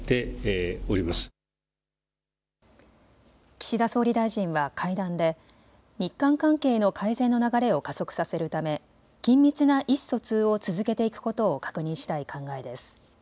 岸田総理大臣は会談で日韓関係の改善の流れを加速させるため緊密な意思疎通を続けていくことを確認したい考えです。